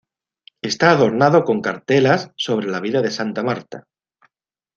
Está adornado con cartelas sobre la vida de Santa Marta.